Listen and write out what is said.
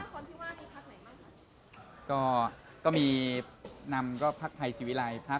ฝ่ายคลาสอิสระ